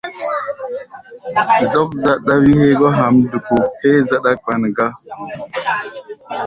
Zɔ́k záɗá wí hégá hamduku héé záɗá-kpan gá.